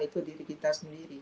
itu diri kita sendiri